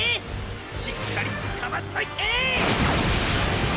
しっかりつかまっといて！